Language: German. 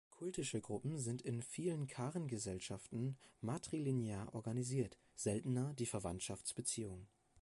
Kultische Gruppen sind in vielen Karen-Gesellschaften matrilinear organisiert, seltener die Verwandtschaftsbeziehungen.